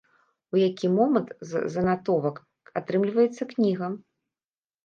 У які момант з занатовак атрымліваецца кніга?